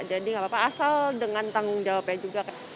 jadi gak apa apa asal dengan tanggung jawabnya juga